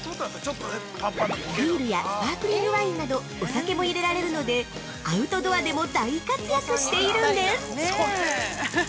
ビールやスパークリングワインなどお酒も入れられるのでアウトドアでも大活躍しているんです！